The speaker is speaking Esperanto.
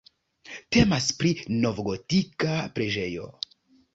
Temas pri novgotika preĝejo.